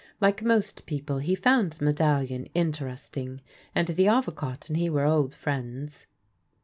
Like most people, he found Medalhon interesting, and the Avocat and he were old friends.